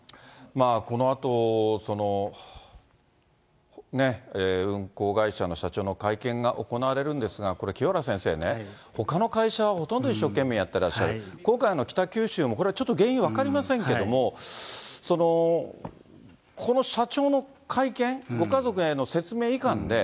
このあと、運航会社の社長の会見が行われるんですが、これ、清原先生ね、ほかの会社はほとんど一生懸命やってらっしゃる、今回の北九州もこれはちょっと原因分かりませんけども、この社長の会見、ご家族への説明いかんで、